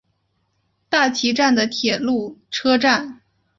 大崎站的铁路车站。